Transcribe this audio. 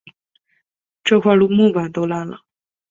这块木板都烂了